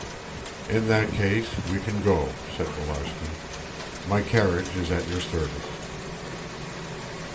"In that case we can go," said Willarski. "My carriage is at your service."